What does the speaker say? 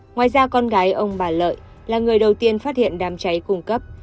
ngoài ra con gái ông bà lợi là người đầu tiên phát hiện đám cháy cung cấp